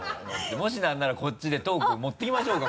もし何ならこっちでトークを持ってきましょうか？